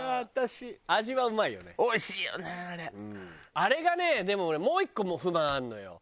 あれがねでも俺もう１個不満あるのよ。